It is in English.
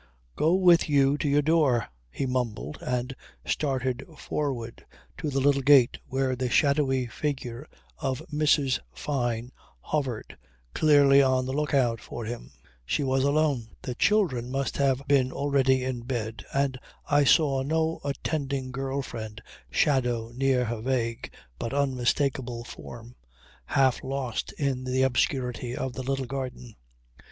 "Go with you to your door," he mumbled and started forward to the little gate where the shadowy figure of Mrs. Fyne hovered, clearly on the lookout for him. She was alone. The children must have been already in bed and I saw no attending girl friend shadow near her vague but unmistakable form, half lost in the obscurity of the little garden.